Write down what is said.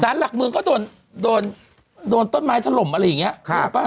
สารหลักเมืองก็โดนโดนโดนต้นไม้ถล่มอะไรอย่างเงี้ยครับ